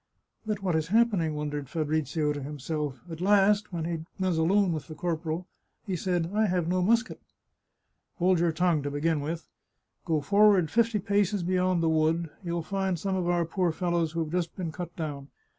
"But what is happening?" wondered Fabrizio to him self. At last, when he was alone with the corporal, he said, " I have no musket." " Hold your tongue, to begin with. Go forward fifty paces beyond the wood ; you'll find some of our poor fel lows who've just been cut down.